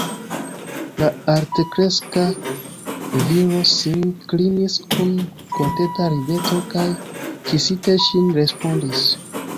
La altkreska viro sin klinis kun kontenta rideto kaj, kisinte ŝin, respondis: